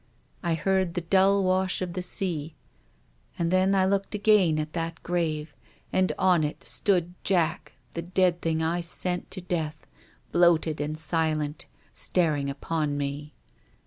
I heard the dull wash of the sea. And then I looked again at that grave, and on it stood Jack, the dead thing I sent to death, bloated and silent, staring upon me.